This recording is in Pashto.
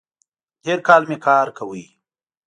تېر کال می کار کاوو